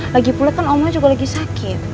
lagi pulet kan omnya juga lagi sakit